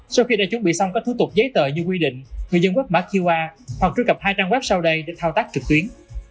sau khi đã chuẩn bị xong các thủ tục giấy tờ như quy định người dân quét mã qr hoặc truy cập hai trang web sau đây để thao tác trực tuyến